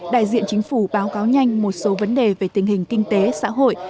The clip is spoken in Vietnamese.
đại diện chính phủ báo cáo nhanh một số vấn đề về tình hình kinh tế xã hội